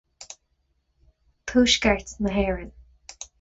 Tuaisceart na hÉireann.